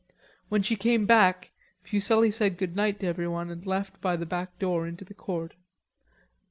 When she came back, Fuselli said good night to everyone and left by the back door into the court.